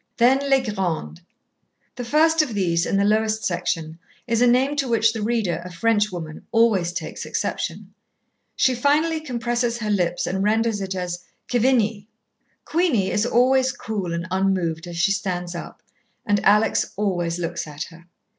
Then les grandes. The first of these, in the lowest section, is a name to which the reader, a French woman, always takes exception. She finally compresses her lips and renders it as: "Kevinnie!" Queenie is always cool and unmoved as she stands up, and Alex always looks at her.